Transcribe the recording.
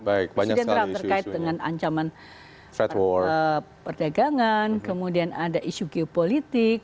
presiden trump terkait dengan ancaman perdagangan kemudian ada isu geopolitik